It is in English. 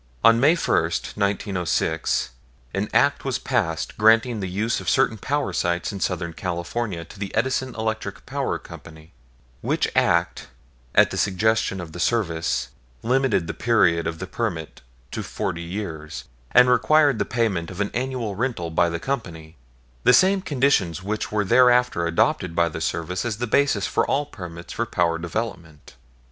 On May 1, 1906, an Act was passed granting the use of certain power sites in Southern California to the Edison Electric Power Company, which Act, at the suggestion of the Service, limited the period of the permit to forty years, and required the payment of an annual rental by the company, the same conditions which were thereafter adopted by the Service as the basis for all permits for power development.